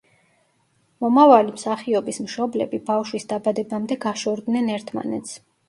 მომავალი მსახიობის მშობლები ბავშვის დაბადებამდე გაშორდნენ ერთმანეთს.